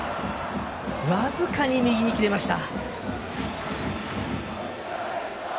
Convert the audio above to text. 僅かに右に切れました。